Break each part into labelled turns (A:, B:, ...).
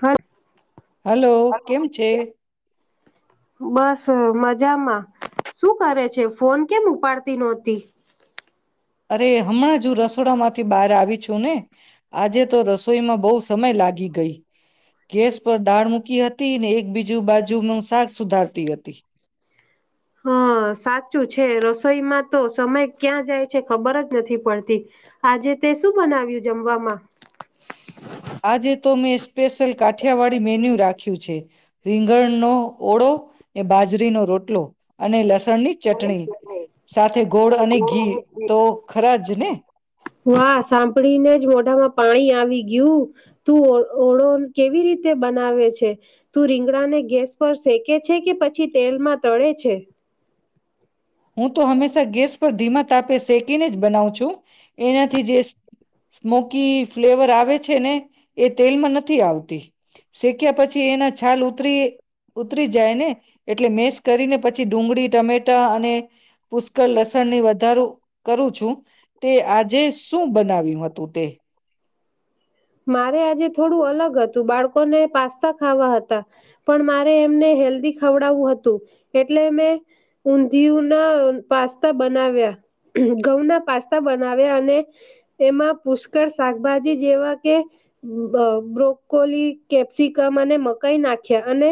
A: હા.
B: હલો કેમ છે.
A: બસ મજામાં શું કરે છે ફોન કેમ ઉપાડતી નહોતી
B: અરે હમણાં જો રસ થોડા માંથી બહાર આવી છું ને આજે તો રસોઈમાં બહુ સમય લાગી ગઈ ગેસ પર દાળ મૂકી હતી ને એકબીજુ બાજુનું શાક સુધારતી હતી
A: હા સાચું છે રસોઈમાં તો સમય ક્યાં જાય છે ખબર જ નથી પડતી આજે તે શું બનાવ્યું જમવામાં
B: આજે તો મેં સ્પેશિયલ કાઠિયાવાડી મેન્યુ રાખ્યું છે રીંગણનો ઓળો એ બાજરીનો રોટલો અને લસણની ચટણી સાથે ગોળ અને ઘી તો ખરા જ ને
A: વાહ સાંભળીને જ મોઢામાં પાણી આવી ગયું તું ઓળો કેવી રીતે બનાવે છે તું રીંગડાને ગેસ પર શેકે છે કે પછી તેલમાં તળે છે.
B: હું તો હંમેશા ગેસ પર ધીમા તાપે શેકીને જ બનાવું છું એનાથી જે સ્મોકી ફ્લેવર આ આવે છે ને એ તેલમાં નથી આવતી શેક્યા પછી એના છાલ ઉતરી ઉતરી જાય ને એટલે મેસ કરીને પછી ડુંગળી ટમેટા અને [inaudible] પુષ્કળ લસણની વધારું કરું છું, તે આજે શું બનાવ્યું હતું તે
A: મારે આજે થોડું અલગ હતું બાળકોને પાસ્તા ખાવા હતા, પણ મારે એમને હેલ્ધી ખવડાવું હતું એટલે મેં ઊંધિયું ના પાસ્તા બનાવ્યા ઘઉં ના પાસ્તા બનાવ્યા અને એમાં પુષ્કળ શાકભાજી જેવા કે બ બ્રોકોલી કેપ્સિકમ અને મકાઈ નાખ્યા અને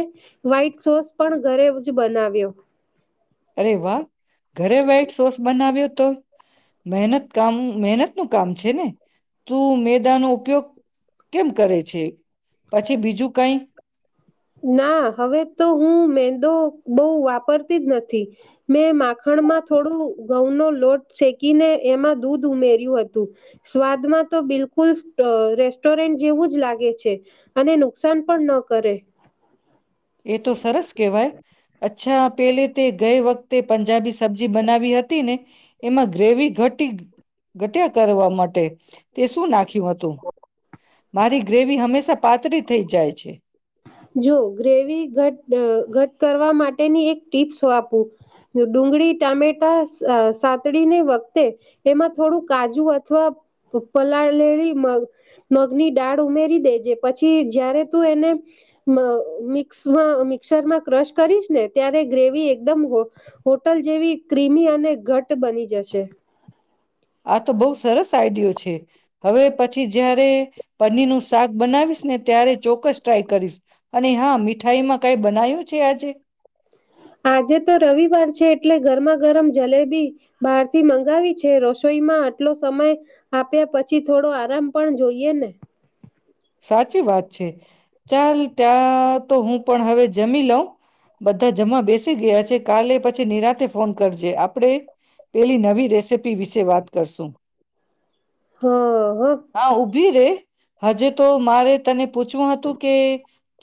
A: વ્હાઈટ સોસ પણ ઘરે જ બનાવ્યો
B: અરે વાહ. ઘરે વ્હાઈટ સોસ બનાવ્યો કે મહેનત કામ મહેનત નું કામ છે, ને તું મેદાનો ઉપયોગ કેમ કરે છે, પછી બીજું કઈક
A: ના હવે તો હું મેંદો બોઉ વાપરતી જ નથી. મેં માખણમાં થોડું ઘઉં નો લોટ શેકીને એમાં દૂધ ઉમેર્યું હતું સ્વાદમાં તો બિલકુલ રેસ્ટોરન્ટ જેવું જ લાગે છે, અને નુકસાન પણ ન કરે.
B: એ તો સરસ કહેવાય અચ્છા પેલે તે ગયે વખ તે પંજબી સબ્જી બનાવી એમાં ગ્રેવી ઘ ઘટ કરવા માટે તે શું નાખ ખ્યું હતું. મારી ગ્રેવી હંમેશા પાતળી થઈ જાય છે.
A: જો ગ્રેવી ઘટ ઘટ કરવા માટેની એક ટીપ્સ આપપવું ડુંગળી ટામેટા સાતડીને વખતે એમાં થોડું કાજુ અથવા પલાળેલી મગ મગની દાળ ઉમેરી દેજે પછી જયારે તું એને મિક્સમાં મિક્સરમાં ક્રશ કરીશ ને ત્યારે ગ્રેવી એકદમ હોટલ જેવી ક્ર્રીમી અને ઘટ્ટ બની જશે
B: આ તો બહુ સરસ આઈડિયો છે. હવે પછી જયારે પનીર નું શાક બનાવીશ ને ત્યારે ચોક્કસ ટ્રાય કરીશ અને હા મીઠાઈ માં કઈ બનાય્યું છે આજે
A: આજે તો રવિવાર છે. એટલે ગરમા ગરમ જલેબી બહારથી મંગાવી છે રસોઈમાં આટલો સમય આપ્યા પછી થોડો આરામ પણ જોઈએ ને
B: સાચી વાત છે ચાલ ત્યાં તો હું પણ હવે જમી લઉં બધા જમા બેસ ગયા છે કાલે પછી નિરાતે ફોન કરજે આપણે પેલી નવી રેસીપી વિશે વાત કરશું
A: હ હ
B: હા ઉભી રે હજી મારે તને પૂછવું હતું કે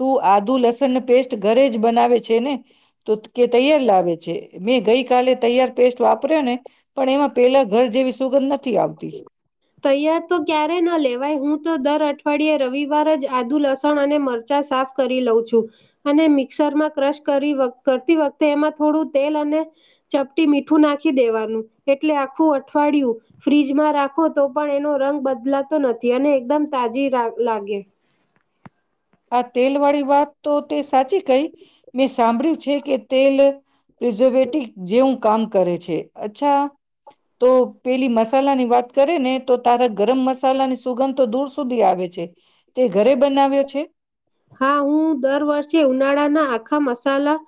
B: તું આદુ લસણ પેસ્ટ ઘરે જ બનાવે છે. ને તો કે તૈયાર લાવે છે મેં ગઈ કલે તૈયાર પેસ્ટ વાપર્યો ને પણ એમાં પેલા ઘર જેવી સુગંધ ન
A: તૈયાર તો ક્યારેય ના લેવાય હું તો દર અઠવાડિયે રવિવાર જ આદુ લસણ અને મરચા સાફ કરી લઉં છું અને મિક્સરમાં ક્રશ કરી કરતી વખતે એમાં થોડું તેલ અને ચપટી મીઠું નાખી દેવાનું એટલે આખું અઠવાડિયું ફ્રીજમાં રાખો તો પણ એનો રંગ બદલાતો નથી અને એકદમ તાજી લાગે
B: આ તેલ વાળી વાત તો તે સાચી કઈ મેં સાંભળ્યું છે કે તેલ પ્રિઝર્વેટીિવ જેવું કામ કરે છે અચ્છા તો પેલી મસાલાની વાત કરે ને તો તારા ગરમ મસાલાની સુગંધ તો દૂર સુધી આવે છે તે ઘરે બનાવ્યો છે.
A: હા હું દર વર્ષે ઉનાળાના આખા મસાલા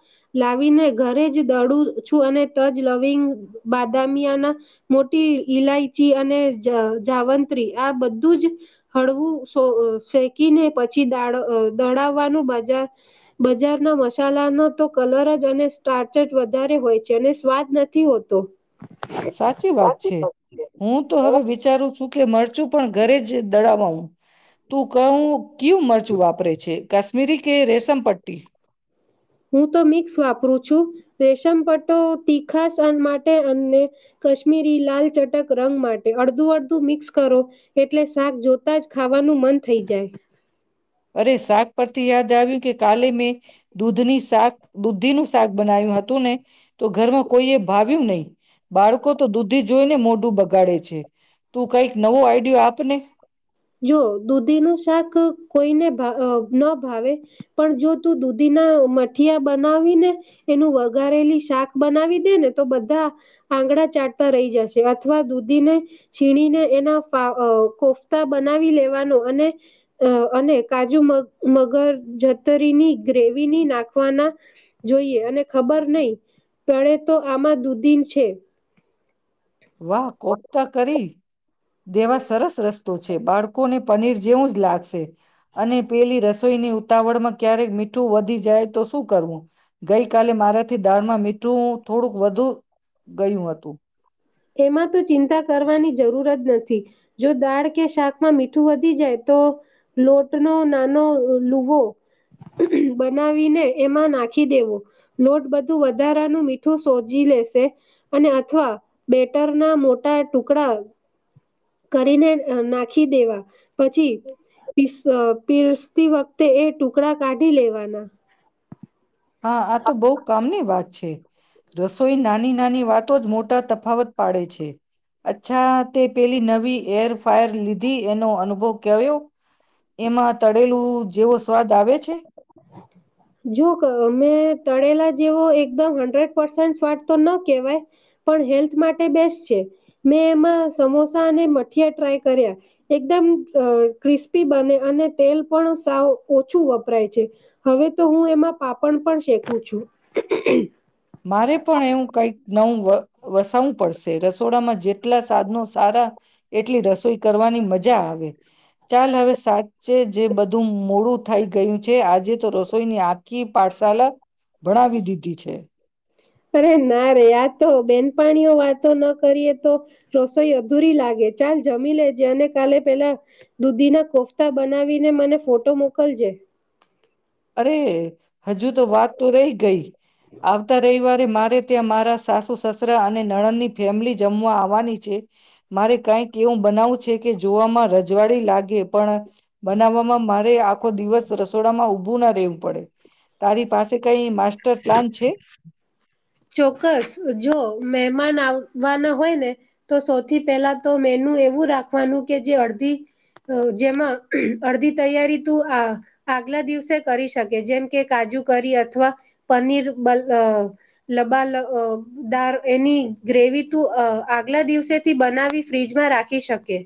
A: લાવીને ઘરે જ દડું છું અને તજ લવિંગ બાદામિયાના મોટી ઈલાયચી અને જાવંત્રી આ બધું જ હળવું શેકીને પછી દા દડાવવાનું બજાર બજારના મસાલાનો તો કલર જ અને સ્ટાર્ચ જ વધારે હોય છે અને સ્વાદ નથી હોતો.
B: સાચી વાત છે હું તો હવે વિચારું છું એલે મરચું પણ ઘરે જ દડાવું તું કુ ક્યુ મર્ચ વાપર છે. કશ્મીરી કે રેશમ પટ્ટી.
A: હું તો મિક્સ વાપરું છું રેશમ પટ્ટો તીખાન માટે અને કશ્મીરી લાલ ચટક રંગ માટે અડધું અડધું મિક્સ કરો એટલે શાક જોતા જ ખાવાનું મન થઈ જાય.
B: અરે શાક પરથી યાદ આવ્યું કે કાલે મેં દૂધની શાક દુધિનું શાક બનાવ્યું હતું ને તો ઘરમાં કોઈ એ ભાવ નહી બાળકો તો દૂધી જોઈને મોઢું બગાડે છે, તું કઈક નવો આઈડિયા આપને
A: જો દૂધીનું શાક કોઈને ન ભાવે પણ જો તું દૂધીના મઠીયા બનાવીને એનું વગારેલી શાક બનાવી દે ને તો બધા આંગડા ચાટતા રહી જશે અથવા દૂધીને છીણીને એના કો તો બનાવી લેવાનો અને અને કાજુ મ મગરજતરીની ગ્રેવીની નાખવાના જોઈએ અને ખબર નહી તણે તો આમાં દુધીન છે
B: વાહ! કોપતા કરી દેવા સરસ રસ્તા છે, બાળકોને પનીર જેવું જ લાગશે અને પેલી રસોઈની ઉતાવળમાં ક્યારેક મીઠું વધી જાય તો શું કરવું, ગઈ કલે મારાથી દાળમાં મીઠું થોડુંક વધુ ગયું હતું
A: એમાં તો ચિંતા કરવાની જરૂર જ નથી, જો દાળ કે શાકમાં મીઠું વધી જાય તો લોટનો નાનો લુવો બનાવીને એમાં નાખી દેવો, લોટ બધું વધારાનું મીઠું સોસી લેશે અને અથવા બેટર ના મોટા ટુકડા કરીને નાખી દેવા, પછી પ પીરસતી વખતે એ ટુકડા કાઢી લેવાના
B: હા, આ તો બહુ કામની વાત છે, રસોઈ નાની નાની વાતો જ મોટા તફાવત પાડે છે, અચ્છા તે પેલી નવી એર ફાયર લીધી એનો અનુભવ ક્યો, એમાં તળેલું જેવો સ્વાદ આવે છે
A: જોં મેં તળેલા જેવો એકદમ હંડ્રેડ પાસે સ્વાદ તો ન કેહેવાય પણ હેલ્થ માટે બેસ્ટ છે, મેં એમાં સમોસા અને મઠિયા ટ્રાય કર્યા એકદમ ક્રિસ્પી બને અને તેલ પણ સાવ ઓછું વપરાય છે હવે તો હું એમાં પાપડ પણ શેકું છું
B: મારે પણ એવું કંઈક નવું વસાવવું પડશે રસોડામાં જેટલા સાધનો સારા એટલી રસોઈ કરવાની મજા આવે ચાલ, હવે સાચે જે બધું મોડું થઈ ગયું છે, આજે જે તો રસોઈની આખી પાઠશાલા ભણાવી દીધી છે
A: અરે ના રે આ તો બેનપણીઓ વાતો ન કરીએ તો રસોઈ અધૂરી લાગે ચાલ જમી લેજે અને કાલે પેલા દૂધીના કોફતા બનાવીને મને ફોટો મોકલજે
B: અરે હજુ તો વાત તો રહી ગઈ આવતા રવિવારે મારે ત્યાં મારા સાસુ સસરા અને નણંદની ફેમિલી જમવા આવવાની છે મારે કંઈક એવું બનાવવું છે કે જોવામાં રજવાડી લાગે પણ બનાવવામાં મારે આ આખો દિવસ રસોડા માં ઉ પૂર્ણ રેેવ પડે તારી પાસે કઈ માસ્ટર પ્લાન છે?
A: ચોક્કસ જો મહેમાન આવવાના હોય ને તો સૌથી પહેલા તો મેનુ એવું રાખવાનું કે જે અડધી જેમાં અડધી તૈયારી તું આ આગલા દિવસે કરી શકે જેમ કે કાજુ કરી અથવા પનીર અ લબાદાર એની ગ્રેવી તું આગલા દિવસેથી બનાવી ફ્રીજમાં રાખી શકે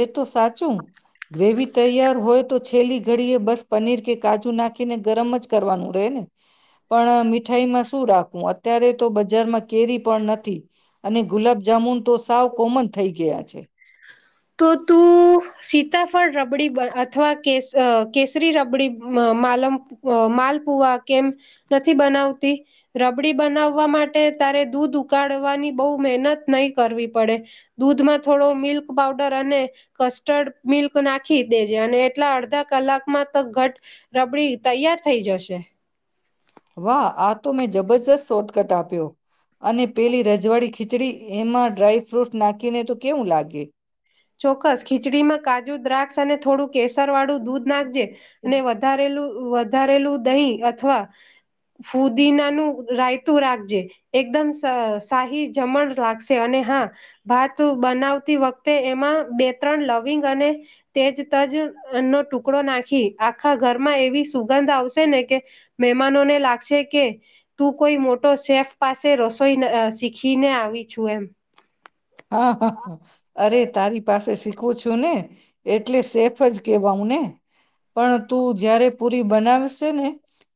B: એ તો સાચું ગ્રેવી તૈયાર હોય છેલ્લી ઘડી એ બસ પનીર કે કાજુ નાખી ને ગરમ જ કરવાનું રહે ને પણ મીઠાઈમાં શું રાખવું, અત્યારે તો બજારમાં કેરી પણ નથી અને ગુલાબજામુન તો સાવ કોમન થઇ ગયા છે
A: તો તું સીતાફળ રબડી બન અથવા કે કેસરી રબડી અ માલમ અ માલપુવા કેમ નથી બનાવતી? રબડી બનાવવા માટે તારે દૂધ ઉકાળવાની બહુ મહેનત નહી કરવી પડે દૂધમાં થોડો મિલ્ક પાઉડર અને કસ્ટર્ડ મિલ્ક નાખી દેજે અને એટલા અડધા કલાકમાં તો ઘટ રબડી તૈયાર થઈ જશે.
B: વાહ આ તો મેં જબ જ શોટ કટ આપ્યો. અને પેલી રજવાડી ખીચડી એમાં ડ્રાયફ્રૂટ નાખીને તો કેવું લાગે.
A: ચોક્કસ ખીચડીમાં કાજુ, દ્રાક્ષ અને થોડુંક કેસરવાળું દૂધ નાખજે અને વધારેલું વધારેલું દહીં અથવા ફુદીનાનું રાયતું રાખજે એકદમ સા સાહી જમણ લાગશે અને હા ભાત બનાવતી વખતે એ માં બે ત્રણ લવિંગ અને તેજ તજનો ટુકડો નાખી આખા ઘરમાં એવી સુગંધ આવશે ને કે મહેમાનોને લાગશે કે તું કોઈ મોટો શેફ પાસે રસોઈ શીખીને આવી છું એમ.
B: હા હા હા અરે તારી પાસે શીખવું છું ને એટલે સેફ જ કેહવાઉ ને પણ તું જયારે પુરી બનાવશે ને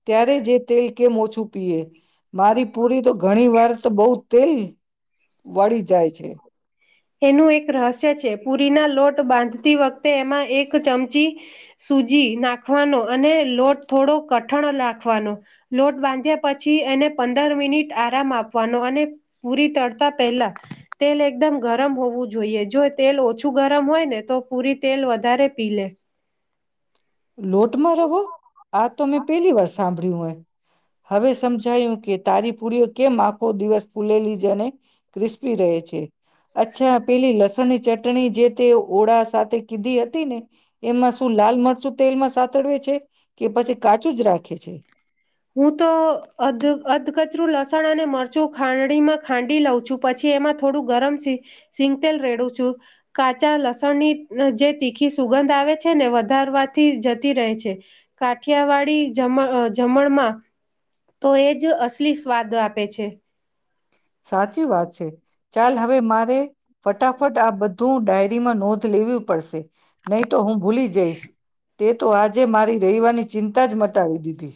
B: ત્યારે જે તેલ કેમ ઓછું તુ પીએ. મારી પૂરી તો ઘણી વાર તો બઉ તેલ વળી જાય છે.
A: એનું એક રહસ્ય છે પૂરીના લોટ બાંધતી વખતે એમાં એક ચમચી સુૂજી નાખવાનો અને લોટ થોડો કઠણ નાખવાનો લોટ બાંધ્યા પછી એને પંદર મિનિટ આરામ આપવાનો અને પૂરી તડ તા પહેલા તેલ એકદમ ગરમ હોવું જોઈએ જો તેલ ઓછું ગરમ હોય ને તો પૂરી તેલ વધારે પી લે.
B: લોટમાં રવો આ તો મેં પેલી વાર સાંભળ્યું મે. હવે સમજાયું કે તારી પુરીઓ કેમ આખો દિવસ ફૂલેલી અને ક્રિસ્પી રહે છે. અચ્છા પેલી લસણ ની ચટ ચટણી જે તે ઓળા સાથે કીધી હતી ને એમાં શું લાલ મરચું તેલમાં સાતડવે છે. કે પછી કાચું જ રાખે છે
A: હું તો અ અધકચરું લસ લસણ અને મરચું ખાંડડીમાં ખાંડી લઉં છું પછી એમાં થોડું ગરમ સી સિંગતેલ રેડું છું કાચા લસણની જે તીખી સુગંધ આવે છે ને વધારવાથી જતી રહે છે કઠિયાવાડી જમ અ જમણમાં તો એ જ અસલી સ્વાદ આપે છે.
B: સાચી વાત છે ચાલ હવે મારે ફટાફટ આ બધું ડાયરીમાં નોંધ લેવી પડશે. નહી તો હું ભૂલી જઈશ તે તો આજે મારી રવિવારની ચિંતા જ મટાવી દીધી.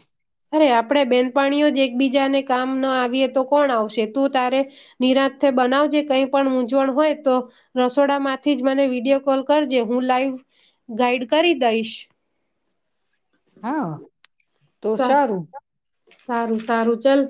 A: અરે આપણેે બેનપાણીઓ જ એકબીજાને કામ ના આવીએ તો કોણ આવશે તું તારે નિરાંતે બનાવજે કઈ પણ મૂંઝવણ હોય તો રસોડામાંથી જ મને વિડીયો કોલ કરજે હું લાઈવ ગાઈડ કરી દઈશ.
B: હા. તો
A: સ
B: સારું
A: સારું સારું. ચાલ.